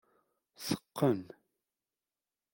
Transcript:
Teqqen.